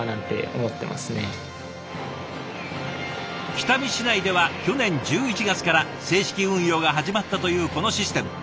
北見市内では去年１１月から正式運用が始まったというこのシステム。